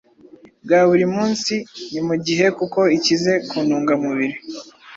bwa buri munsi. Ni mu gihe kuko ikize ku ntungamubiri,